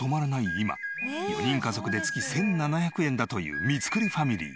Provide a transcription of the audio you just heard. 今４人家族で月１７００円だという三栗ファミリー。